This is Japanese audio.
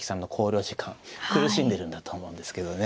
苦しんでるんだと思うんですけどね